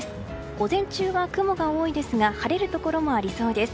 午前中は雲が多いですが晴れるところもありそうです。